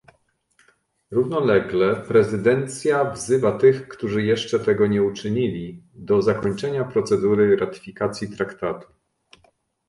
Równolegle prezydencja wzywa tych, którzy jeszcze tego nie uczynili, do zakończenia procedury ratyfikacji traktatu